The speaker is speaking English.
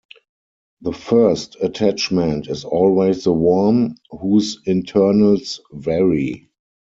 The first attachment is always the worm, whose internals vary.